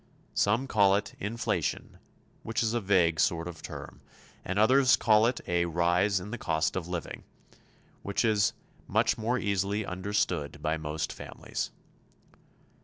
Some call it "inflation," which is a vague sort of term, and others call it a "rise in the cost of living," which is much more easily understood by most families.